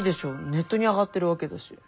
ネットに上がってるわけだし。